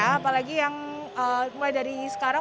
apalagi yang mulai dari sekarang